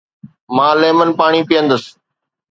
مان ليمن پاڻي پيئندس